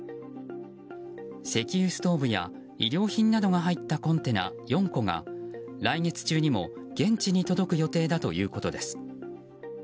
石油ストーブや医療品などが入ったコンテナ４個が来月中にも現地に届く予定だということです。